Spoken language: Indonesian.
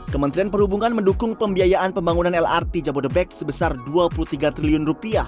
kementerian perhubungan mendukung pembiayaan pembangunan lrt jabodebek sebesar rp dua puluh tiga triliun